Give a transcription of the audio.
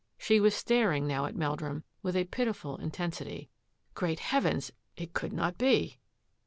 She was staring now at Meldrum with a pitiful inten sity. Great Heavens! it could not be.